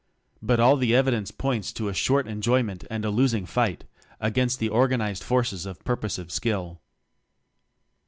But all the evidence points to a short enjoyment and a losing fight against the organized forces of Pur poseful Skill.